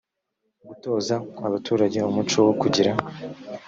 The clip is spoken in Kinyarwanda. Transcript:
gutoza abaturage umuco wo kugira